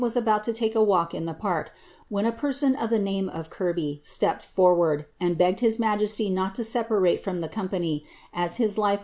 was about to take a walkii the Park, when a person of the name of Kirby stepped forward, u^ begged his majesty not to separate from the company, as his life was is * Journal of James II.